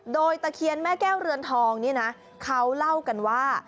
โดยตะเคียนแม่แก้วเรือนทองนี่นะเขาเล่ากันว่า